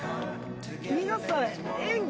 皆さん、演技